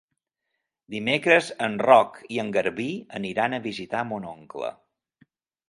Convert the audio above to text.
Dimecres en Roc i en Garbí aniran a visitar mon oncle.